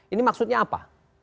ini maksudnya apa